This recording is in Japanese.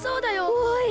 おい！